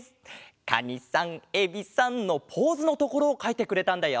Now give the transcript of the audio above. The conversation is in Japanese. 「カニさんエビさん」のポーズのところをかいてくれたんだよ。